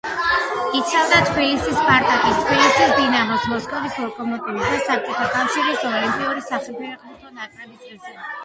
იცავდა თბილისის „სპარტაკის“, თბილისის „დინამოს“, მოსკოვის „ლოკომოტივის“ და საბჭოთა კავშირის ოლიმპიური საფეხბურთო ნაკრების ღირსებას.